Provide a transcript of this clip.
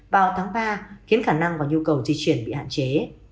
vào tháng ba khiến khả năng và nhu cầu di chuyển bị hạn chế